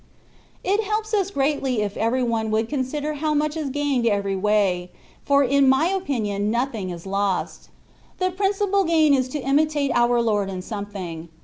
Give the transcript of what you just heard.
It helps us greatly if every one would consider how much is gained every way, for in my opinion nothing is lost. The principal gain is to imitate our Lord in something.